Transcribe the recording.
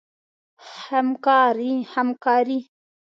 همکاري